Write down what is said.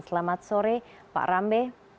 selamat sore pak rambe